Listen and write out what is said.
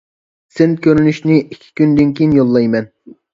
سىن كۆرۈنۈشىنى ئىككى كۈندىن كېيىن يوللايمەن.